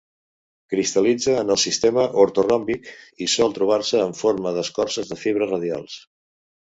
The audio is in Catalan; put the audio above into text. Cristal·litza en el sistema ortoròmbic, i sol trobar-se en forma d'escorces de fibres radials.